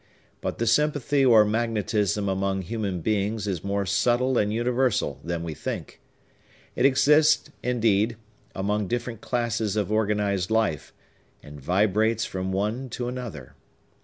But the sympathy or magnetism among human beings is more subtile and universal than we think; it exists, indeed, among different classes of organized life, and vibrates from one to another.